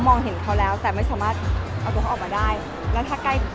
ก็ต้องเลือกให้เหมาะกับตัวเองด้วย